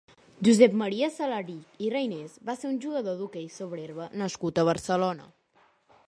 Josep Maria Salarich i Reynés va ser un jugador d'hoquei sobre herba nascut a Barcelona.